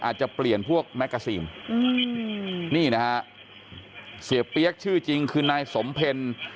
อาจจะเปลี่ยนพวกแมกกาซีนนี่นะฮะเสียเปี๊ยกชื่อจริงคือนายสมเพล